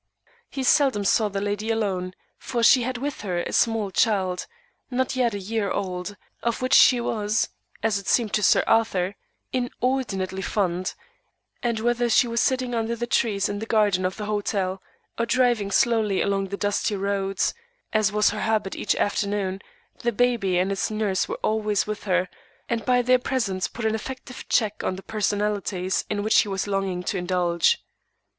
He seldom saw the lady alone, for she had with her a small child, not yet a year old, of which she was, as it seemed to Sir Arthur, inordinately fond; and whether she were sitting under the trees in the garden of the hotel, or driving slowly along the dusty roads as was her habit each afternoon the baby and its nurse were always with her, and by their presence put an effective check to the personalities in which he was longing to indulge.